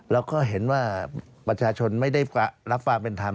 แล้วก็เห็นว่าประชาชนไม่ได้รับความเป็นธรรม